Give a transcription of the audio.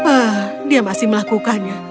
oh dia masih melakukannya